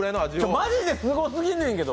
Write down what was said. マジですごすぎんねんけど。